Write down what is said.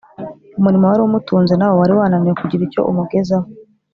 umurimo wari umutunze nawo wari wananiwe kugira icyo umugezaho